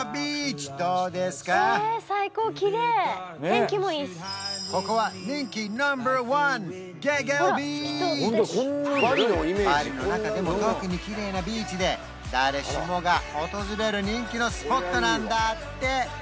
天気もいいしここは人気ナンバーワンバリの中でも特にきれいなビーチで誰しもが訪れる人気のスポットなんだって